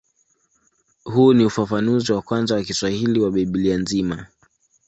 Huu ni ufafanuzi wa kwanza wa Kiswahili wa Biblia nzima.